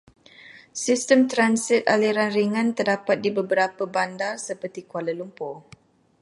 Sistem transit aliran ringan terdapat di beberapa bandar, seperti Kuala Lumpur.